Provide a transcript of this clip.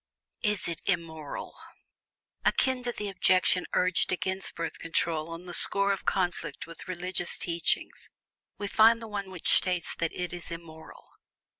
IS IT IMMORAL? Akin to the objection urged against Birth Control on the score of conflict with religious teachings, we find the one which states that "it is IMMORAL."